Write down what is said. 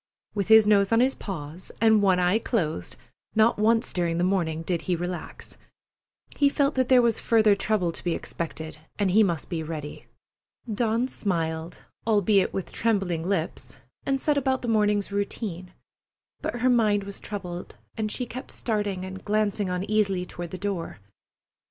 With his nose on his paws and one eye closed, not once during the morning did he relax. He felt that there was further trouble to be expected, and he must be ready. Dawn smiled, albeit with trembling lips, and set about the morning's routine; but her mind was troubled, and she kept starting and glancing uneasily toward the door.